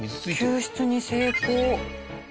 救出に成功。